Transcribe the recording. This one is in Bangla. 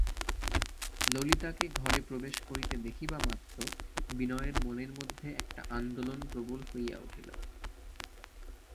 ললিতাকে ঘরে প্রবেশ করিতে দেখিবামাত্র বিনয়ের মনের মধ্যে একটা আন্দোলন প্রবল হইয়া উঠিল।